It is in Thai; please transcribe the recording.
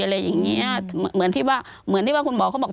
อะไรอย่างนี้เหมือนที่ว่าคุณหมอก็บอก